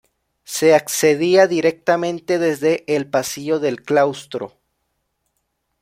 Se accedía directamente desde el pasillo del claustro.